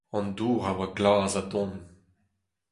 An dour a oa glas ha don.